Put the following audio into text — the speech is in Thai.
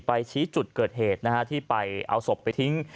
ชี้จุดเกิดเหตุนะฮะที่ไปเอาศพไปทิ้ง